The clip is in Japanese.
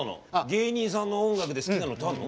芸人さんの音楽で好きなのってあるの？